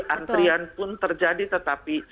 antrian pun terjadi tetapi